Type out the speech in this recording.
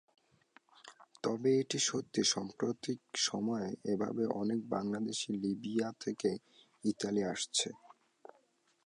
তবে এটি সত্যি, সাম্প্রতিক সময়ে এভাবে অনেক বাংলাদেশি লিবিয়া থেকে ইতালি আসছে।